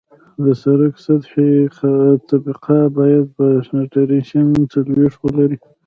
د سرک سطحي طبقه باید پینټریشن څلوېښت ولري